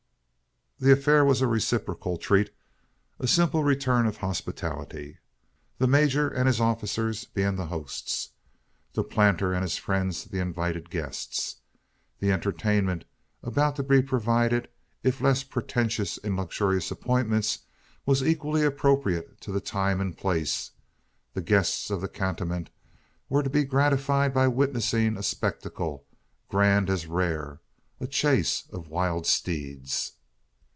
The affair was a reciprocal treat a simple return of hospitality; the major and his officers being the hosts, the planter and his friends the invited guests. The entertainment about to be provided, if less pretentious in luxurious appointments, was equally appropriate to the time and place. The guests of the cantonment were to be gratified by witnessing a spectacle grand as rare a chase of wild steeds!